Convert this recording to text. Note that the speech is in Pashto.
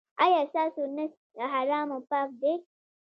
ایا ستاسو نس له حرامو پاک دی؟